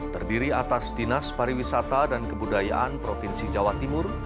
terdiri atas dinas pariwisata dan kebudayaan provinsi jawa timur